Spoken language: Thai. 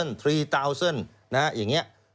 นะวคะอย่างนี้